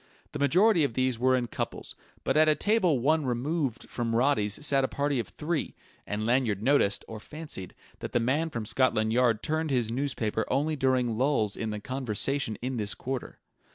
The majority of these were in couples, but at a table one removed from Roddy's sat a party of three; and Lanyard noticed, or fancied, that the man from Scotland Yard turned his newspaper only during lulls in the conversation in this quarter.